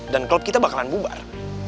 dan klub kita bakalan bubar